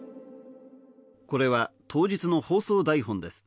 これは当日の放送台本です